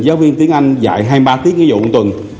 giáo viên tiếng anh dạy hai mươi ba tiếng cái vụ một tuần